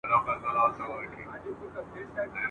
د هغه مور او پلار د امریکا د داخلي `